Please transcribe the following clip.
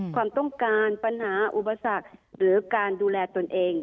ความต้องการปัญหาอุปสรรคหรือการดูแลตนเอง